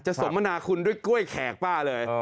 สมมนาคุณด้วยกล้วยแขกป้าเลย